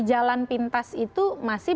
jalan pintas itu masih